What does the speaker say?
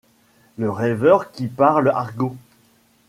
Le rêveur qui parle argot